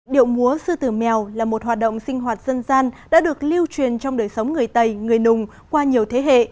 điệu múa sư tử mèo là một hoạt động sinh hoạt dân gian đã được lưu truyền trong đời sống người tây người nùng qua nhiều thế hệ